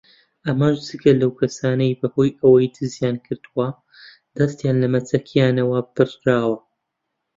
ئەمەش جگە لەو کەسانەی بەهۆی ئەوەی دزییان کردووە دەستیان لە مەچەکیانەوە بڕدراوە